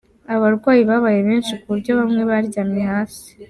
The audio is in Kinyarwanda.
Abarwayi babaye benshi ku buryo bamwe baryamye hasi.